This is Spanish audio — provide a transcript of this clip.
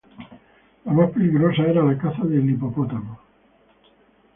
La más peligrosa era la caza del hipopótamo.